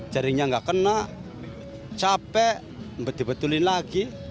jaringnya nggak kena capek dibetulin lagi